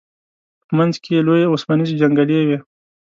په منځ کې لوی اوسپنیزې جنګلې وې.